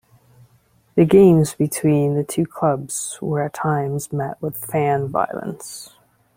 The games between the two clubs were at times met with fan violence.